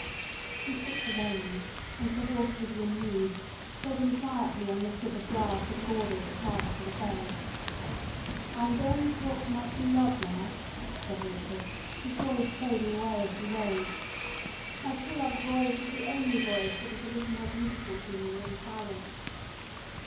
He shook the reins, and the Horse Vivian moved, treading quietly on the strip of grass that borders the path to the ferry. "I am going to talk to my True Love now," said Richard, his voice fading away as he rode. "My True Love's voice is the only voice that is a little more beautiful to me than silence...."